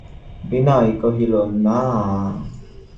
বিনয় কহিল, না।